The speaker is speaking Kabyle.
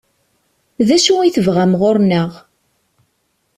D acu i tebɣam ɣur-neɣ?